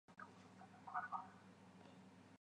生物具有静水骨骼既有优点也有缺点。